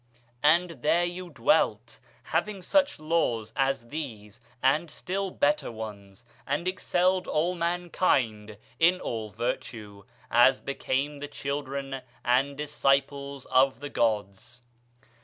And there you dwelt, having such laws as these and still better ones, and excelled all mankind in all virtue, as became the children and disciples of the gods.